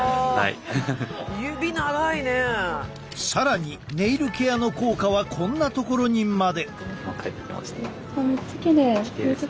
更にネイルケアの効果はこんなところにまで。